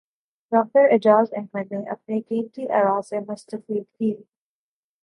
doctor Ejaz Ahmed نے اپنے قیمتی اراءسے مستفید کی